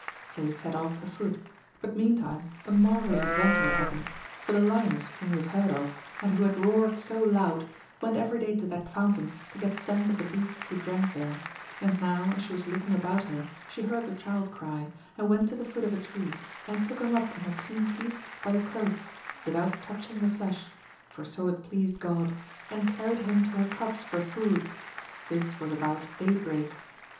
So he set off afoot, but meantime a marvellous adventure had happened, for the lioness whom you have heard of, and who had roared so loud, went every day to that fountain to get scent of the beasts who drank there ; and now, as she was looking about her, she heard the child cry, and went to the foot of a tree, and took him up in her keen teeth by the cloaths, without touching the flesh, for so it pleased God, and carried him to her cubs for food : this was about day break.